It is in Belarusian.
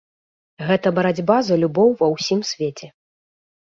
Гэта барацьба за любоў ва ўсім свеце.